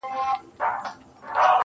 • خپـه به دا وي كــه شـــيرين نه ســمــه.